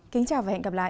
kính chào và hẹn gặp lại